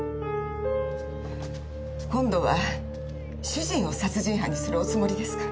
今度は主人を殺人犯にするおつもりですか？